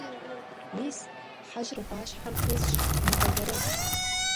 Мес, хьэжьыр гъуащхьэм тесщ, умыбэлэрыгъ.